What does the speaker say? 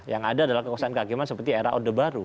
yang ada adalah kekuasaan kehakiman seperti era orde baru